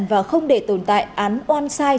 và không để tồn tại án on site